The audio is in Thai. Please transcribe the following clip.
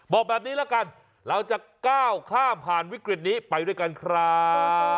บอกแบบนี้ละกันเราจะก้าวข้ามผ่านวิกฤตนี้ไปด้วยกันครับ